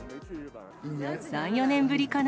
３、４年ぶりかな。